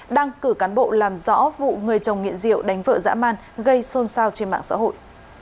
đang cử cán bộ làm rõ vụ người chồng nghiện rượu đánh vợ dã man gây xôn xao trên mạng xã hội